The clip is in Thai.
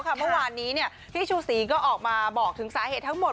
เมื่อวานนี้พี่ชูศรีก็ออกมาบอกถึงสาเหตุทั้งหมด